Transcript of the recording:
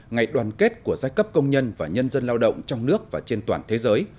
ngày đoàn kết của giai cấp công nhân và nhân dân lao động trong nước và trên toàn thế giới